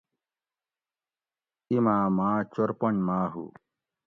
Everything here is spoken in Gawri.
ایما ماۤں چور پنج ماۤ ہو